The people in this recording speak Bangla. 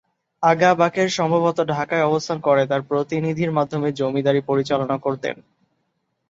আগা বাকের সম্ভবত ঢাকায় অবস্থান করে তাঁর প্রতিনিধির মাধ্যমে জমিদারি পরিচালনা করতেন।